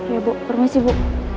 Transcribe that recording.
ya bu permisi bu